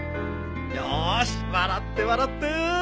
よし笑って笑って！